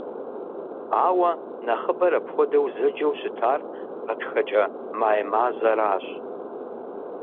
Ауэ нэхъыбэр апхуэдэу зэджэу щытар гъатхэкӀэ «май» мазэращ.